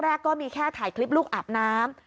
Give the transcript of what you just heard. แรกก็มีแค่ถ่ายคลิปลูกอาบน้ำ